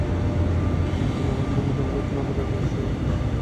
এই নতুন apartment, metropolitan opera, orchestra হল?